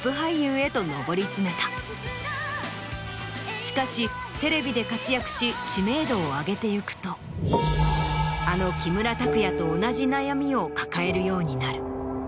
しかしテレビで活躍し知名度を上げてゆくとあの木村拓哉と同じ悩みを抱えるようになる。